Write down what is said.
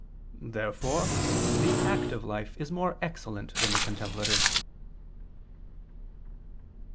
Therefore the active life is more excellent than the contemplative. Obj.